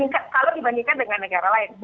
kalau dibandingkan dengan negara lain